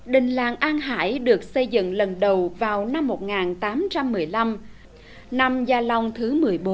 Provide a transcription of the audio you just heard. đình làng an hải được xây dựng lần đầu vào năm một nghìn tám trăm một mươi năm năm gia long thứ một mươi bốn